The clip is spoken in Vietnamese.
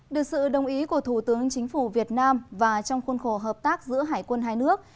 được sự đồng ý của thủ tướng chính phủ việt nam và trong khuôn khổ hợp tác giữa hải quân hai nước